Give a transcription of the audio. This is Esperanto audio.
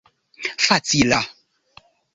facila